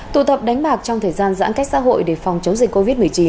tụ tập đánh bạc trong thời gian giãn cách xã hội để phòng chống dịch covid một mươi chín